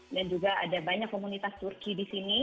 dan juga ada banyak komunitas turki di sini